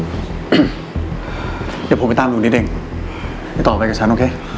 เดี๋ยวพูดไปตามรู้นิดเองต่อไปกับฉันโอเค